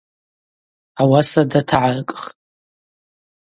Ауаса датагӏаркӏхтӏ.